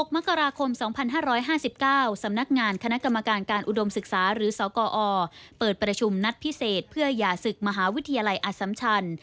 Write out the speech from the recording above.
มกราคม๒๕๕๙สำนักงานคณะกรรมการการอุดมศึกษาหรือสกอเปิดประชุมนัดพิเศษเพื่อหย่าศึกมหาวิทยาลัยอสัมชัน